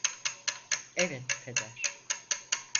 Evet, Peder.